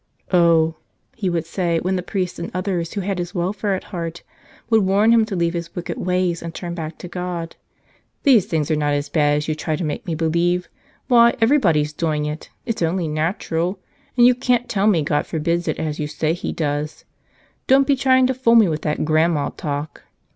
"Oh," he would say, when the priest and others who had his welfare at heart would warn him to leave his wicked ways and turn back to God, "these things are not as bad as you try to make me believe. Why, every¬ body's doing it! It's only natural; and you can't tell me God forbids it as you say He does. Don't be trying to fool me with that Grandma talk."